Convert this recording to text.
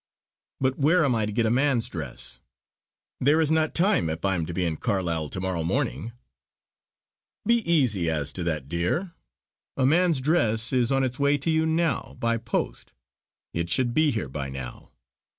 "But where am I to get a man's dress? There is not time if I am to be in Carlisle to morrow morning." "Be easy as to that, dear. A man's dress is on its way to you now by post. It should be here by now.